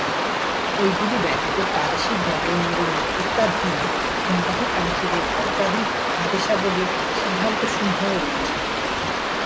ঐগুলি ব্যতীত প্রাদেশিক গভর্নরের নেতৃত্বাধীনে নির্বাহি কাউন্সিলের পত্রাদি, আদেশাবলি, সিদ্ধান্তসমূহও রয়েছে।